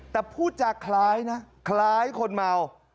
แต่พูดจากคล้ายนะคล้ายคนเมา